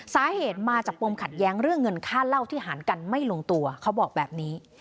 สาเหตุมาจากปมขัดแย้งเรื่องเงินค่าเหล้าที่หารกันไม่ลงตัวเขาบอกแบบนี้